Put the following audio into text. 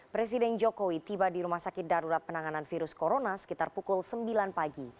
presiden joko widodo meninjau kesiapan